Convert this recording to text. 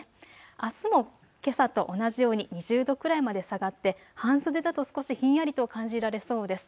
あすもけさと同じように２０度くらいまで下がって半袖だと少しひんやりと感じられそうです。